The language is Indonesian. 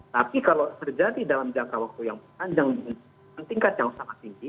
tapi kalau terjadi dalam jangka waktu yang panjang dengan tingkat yang sangat tinggi